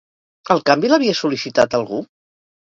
El canvi l'havia sol·licitat algú?